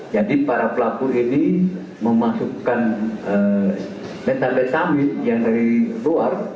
jadi para pelaku ini memasukkan metabesamid yang dari luar